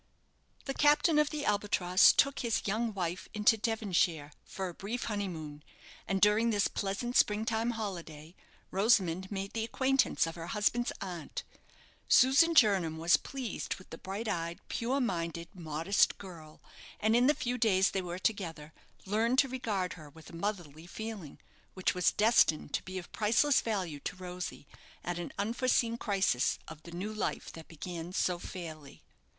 The captain of the "Albatross" took his young wife into Devonshire for a brief honeymoon; and during this pleasant spring time holiday, Rosamond made the acquaintance of her husband's aunt. Susan Jernam was pleased with the bright eyed, pure minded, modest girl, and in the few days they were together, learned to regard her with a motherly feeling, which was destined to be of priceless value to Rosy at an unforeseen crisis of the new life that began so fairly.